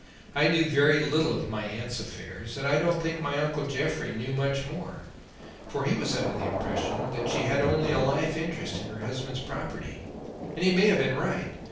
"I knew very little of my aunt's affairs and I don't think my uncle Jeffrey knew much more, for he was under the impression that she had only a life interest in her husband's property. And he may have been right.